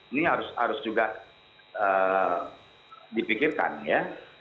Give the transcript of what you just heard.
ini harus juga dipikirkan ya